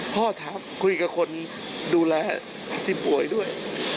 พ่อถามคุยกับคนดูแลที่ป่วยด้วย